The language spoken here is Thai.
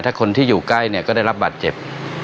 ถ้าคนที่อยู่ใกล้เนี่ยก็ได้รับบาดเจ็บ